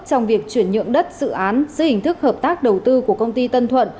trong việc chuyển nhượng đất dự án dưới hình thức hợp tác đầu tư của công ty tân thuận